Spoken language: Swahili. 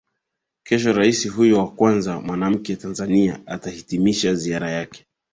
Kesho Rais huyo wa kwanza mwanamke Tanzania atahitimisha ziara yake